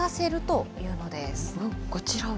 こちらを？